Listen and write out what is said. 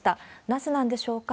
なぜなんでしょうか。